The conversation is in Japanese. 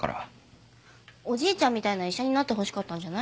おじいちゃんみたいな医者になってほしかったんじゃない？